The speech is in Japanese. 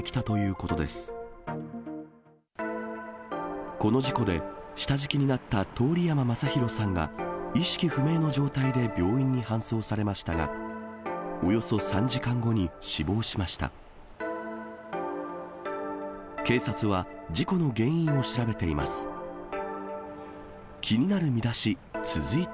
この事故で、下敷きになった通山正博さんが意識不明の状態で病院に搬送されましたが、およそ３時間後に死亡しました。